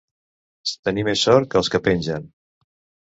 Tenir més sort que els que pengen.